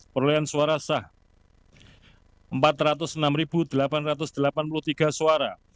perolehan suara sah empat ratus enam delapan ratus delapan puluh tiga suara